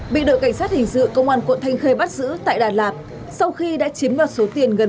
bị đội cảnh sát hình sự công an quận thanh khê bắt giữ